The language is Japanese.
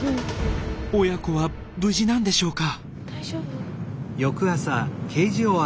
親子は無事なんでしょうか。